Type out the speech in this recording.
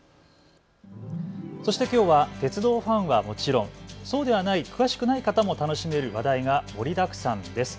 そしてきょうは鉄道ファンはもちろん、そうではない詳しくない方も楽しめる話題が盛りだくさんです。